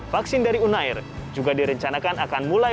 vaksin dari unair juga direncanakan akan mulai